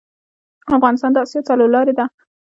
افغانستان د اسیا څلور لارې ده